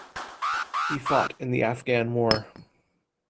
He fought in the Afghan War.